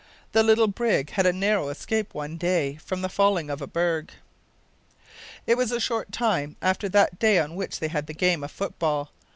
The little brig had a narrow escape one day from the falling of a berg. It was a short time after that day on which they had the game of football.